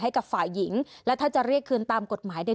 ให้กับฝ่ายหญิงและถ้าจะเรียกคืนตามกฎหมายเนี่ย